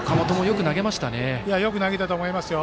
よく投げたと思いますよ。